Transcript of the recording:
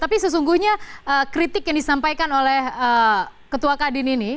tapi sesungguhnya kritik yang disampaikan oleh ketua kadin ini